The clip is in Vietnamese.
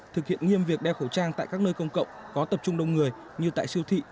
thực hiện nghiêm việc đeo khẩu trang tại các nơi công cộng có tập trung đông người như tại siêu thị